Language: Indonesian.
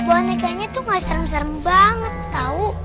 buah nekanya tuh gak serem serem banget tau